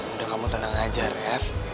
udah kamu tenang aja rf